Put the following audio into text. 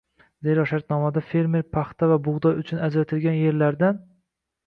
zero, shartnomalarda fermer paxta va bug‘doy uchun ajratilgan yerlardan